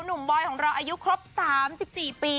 บอยของเราอายุครบ๓๔ปี